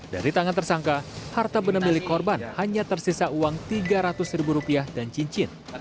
dari tangan tersangka harta benda milik korban hanya tersisa uang tiga ratus ribu rupiah dan cincin